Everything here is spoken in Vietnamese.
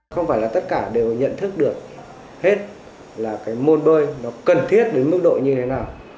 không phải là tất cả đều nhận thức được hết là cái môn bơi nó cần thiết đến mức độ như thế nào